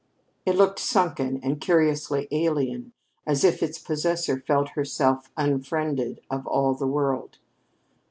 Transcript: It looked sunken and curiously alien, as if its possessor felt herself unfriended of all the world.